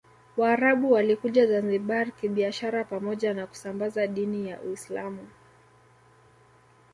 Waarabu walikuja Zanzibar kibiashara pamoja na kusambaza dini ya Uislamu